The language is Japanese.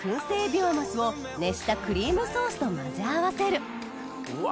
ビワマスを熱したクリームソースと混ぜ合わせるうわ